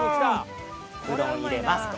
うどん入れますと。